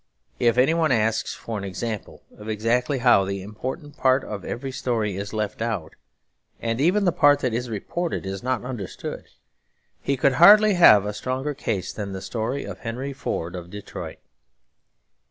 If any one asks for an example of exactly how the important part of every story is left out, and even the part that is reported is not understood, he could hardly have a stronger case than the story of Henry Ford of Detroit.